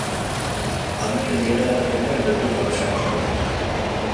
Adituen iragarpenak beldurgarri samarrak dira.